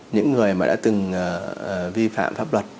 những người mà đã từng vi phạm pháp luật